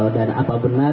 dan apa benar